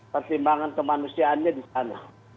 pertimbangan kemanusiaannya di sana